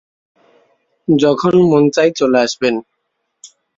যখন মন চায় চলে আসবেন।